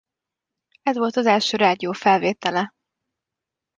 Ez volt az első rádiófelvétele.